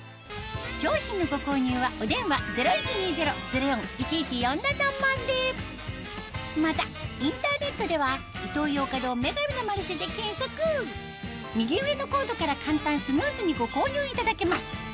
商品のご購入はお電話またインターネットでは右上のコードから簡単スムーズにご購入いただけます